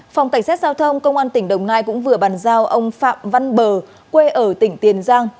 phòng cảnh sát giao thông công an tỉnh đồng nai cũng vừa bàn giao ông phạm văn bờ quê ở tỉnh tiền giang